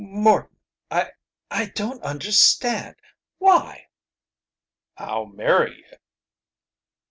"Morton I I don't understand. Why?" "I'll marry you."